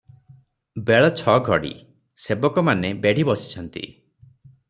ବେଳ ଛ ଘଡି, ସେବକମାନେ ବେଢ଼ି ବସିଛନ୍ତି ।